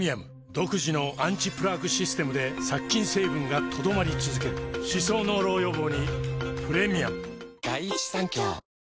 独自のアンチプラークシステムで殺菌成分が留まり続ける歯槽膿漏予防にプレミアム